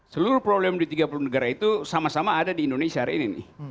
seluruh problem di tiga puluh negara itu sama sama ada di indonesia hari ini